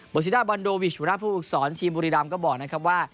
เบอร์ซีด้าบอนโดวิชพุทธภูมิศสอนทีมบุรีรำก็บอกนะครับว่า